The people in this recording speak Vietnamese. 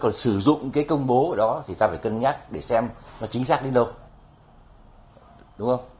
còn sử dụng cái công bố ở đó thì ta phải cân nhắc để xem nó chính xác đến đâu